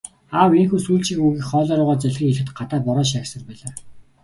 Аав ийнхүү сүүлчийнхээ үгийг хоолой руугаа залгин хэлэхэд гадаа бороо шаагьсаар байлаа.